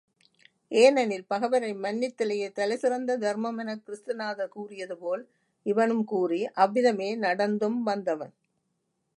ஏனெனில் பகைவரை மன்னித்தலையே தலைசிறந்த தர்மமெனக் கிறிஸ்து நாதர் கூறியதுபோல் இவனும் கூறி, அவ்விதமே நடந்தும் வந்தவன்.